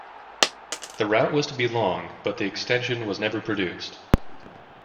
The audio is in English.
The route was to be long, but the extension was never produced.